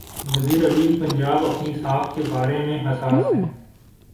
وزیر اعلی پنجاب اپنی ساکھ کے بارے میں حساس ہیں۔